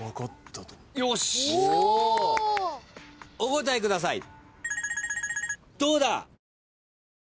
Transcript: お答えください。